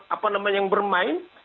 apa namanya yang bermain